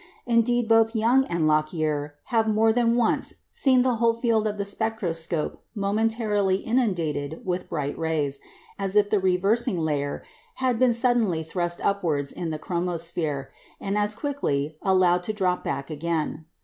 Indeed, both Young and Lockyer have more than once seen the whole field of the spectroscope momentarily inundated with bright rays, as if the "reversing layer" had been suddenly thrust upwards into the chromosphere, and as quickly allowed to drop back again.